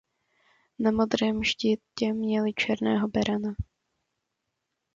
Na modrém štítě měli černého berana.